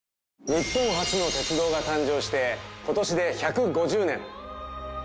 日本初の鉄道が誕生して今年で１５０年。